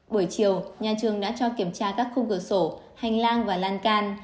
buổi chiều nhà trường đã cho kiểm tra các khung cửa sổ hành lang và lan can